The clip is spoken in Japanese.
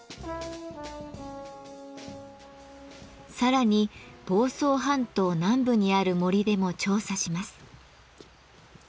さらに房総半島南部にある森でも調査します。